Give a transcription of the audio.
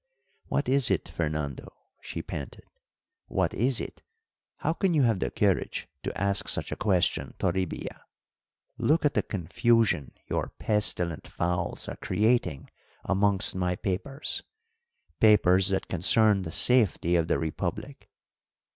"What is it, Fernando?" she panted. "What is it? How can you have the courage to ask such a question, Toribia? Look at the confusion your pestilent fowls are creating amongst my papers papers that concern the safety of the republic!